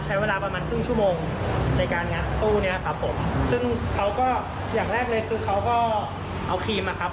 ใช้เวลาประมาณครึ่งชั่วโมงในการงัดตู้เนี้ยครับผมซึ่งเขาก็อย่างแรกเลยคือเขาก็เอาครีมอ่ะครับ